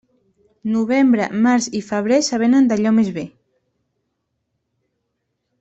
Novembre, març i febrer s'avenen d'allò més bé.